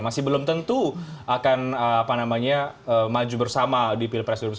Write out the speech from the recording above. masih belum tentu akan maju bersama di pilpres dua ribu sembilan belas